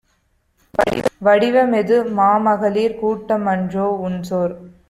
வடிவமெது? மாமகளிர் கூட்டமன்றோ? உன்சொற்